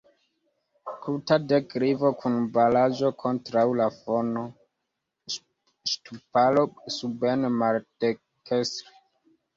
Kruta deklivo kun baraĵo kontraŭ la fono; ŝtuparo suben maldekstre.